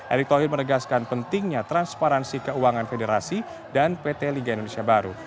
erick thohir menegaskan pentingnya transparansi keuangan federasi dan pt liga indonesia baru